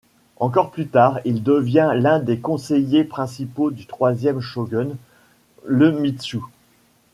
Encore plus tard, il devient l'un des conseillers principaux du troisième shogun, Iemitsu.